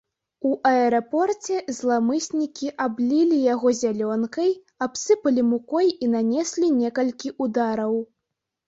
У аэрапорце зламыснікі аблілі яго зялёнкай, абсыпалі мукой і нанеслі некалькі ўдараў.